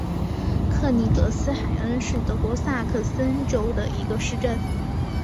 克尼格斯海恩是德国萨克森州的一个市镇。